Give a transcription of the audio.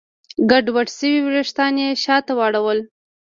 ګډوډ شوي وېښتان يې شاته واړول.